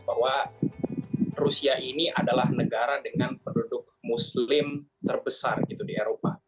bahwa rusia ini adalah negara dengan penduduk muslim terbesar gitu di eropa